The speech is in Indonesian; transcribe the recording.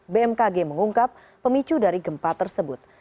bmkg mengungkap pemicu dari gempa tersebut